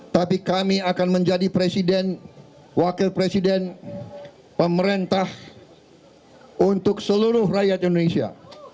tapi kami akan menjadi presiden wakil presiden pemerintah untuk seluruh rakyat indonesia